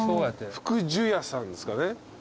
福寿家さんですかね？